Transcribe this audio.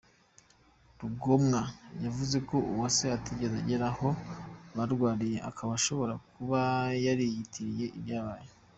Rugomwa, yavuze ko Uwase atigeze agera aho barwaniye, akaba ashobora kuba yariyitiriye ibyabaye.